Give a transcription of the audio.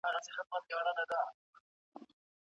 سخت کار ځان ته مه اړوه